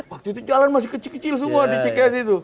waktu itu jalan masih kecil kecil semua di cks itu